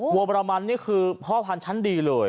บรมันนี่คือพ่อพันธ์ชั้นดีเลย